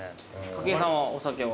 筧さんはお酒は？